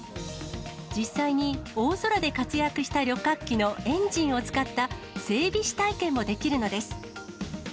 実際に大空で活躍した旅客機のエンジンを使った、整備士体験もできるのです。